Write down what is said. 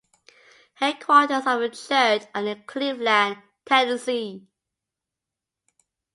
Headquarters of the church are in Cleveland, Tennessee.